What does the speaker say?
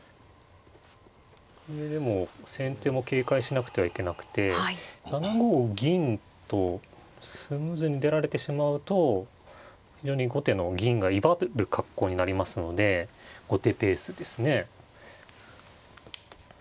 これでも先手も警戒しなくてはいけなくて７五銀とスムーズに出られてしまうと非常に後手の銀が威張る格好になりますので後手ペースですね。